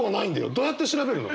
どうやって調べるの？